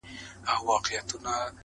پوليس کور پلټي او هر کونج ته ځي-